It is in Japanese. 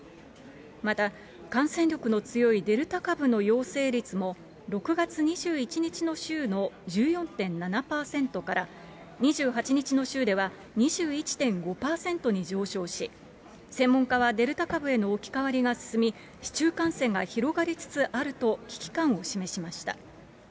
また、感染力の強いデルタ株の陽性率も、６月２１日の週の１４．７％から、２８日の週では２１．５％に上昇し、専門家はデルタ株への置き換わりが進み、市中感染が広がりつつあると危機感を示しました。